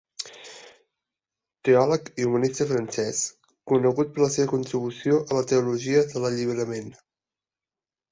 Teòleg i humanista francès conegut per la seva contribució a la teologia de l'alliberament.